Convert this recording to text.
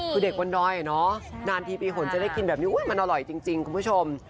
คือเด็กบนดอยเนาะนานทีปีหนจะได้กินแบบนี้มันอร่อยจริงคุณผู้ชม